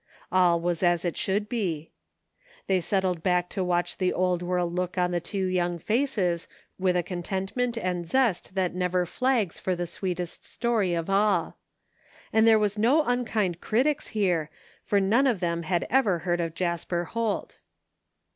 All was as it should be. They settled back to watch the world old look on the two young faces, with a contentment and zest that 243 THE FINDING OF JASPER HOLT never flags for the sweetest story of all. And there were no unkind critics here, for none of them had ever heard of Jasper Holt.